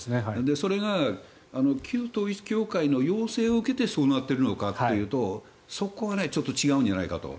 それが旧統一教会の要請を受けてそうなっているのかというとそこが違うんじゃないかと。